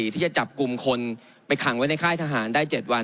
ที่จะจับกลุ่มคนไปขังไว้ในค่ายทหารได้๗วัน